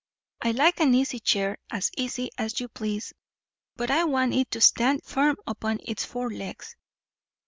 I like an easy chair as easy as you please but I want it to stand firm upon its four legs.